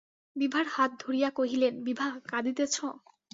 বিভার হাত ধরিয়া কহিলেন, বিভা, কাঁদিতেছ?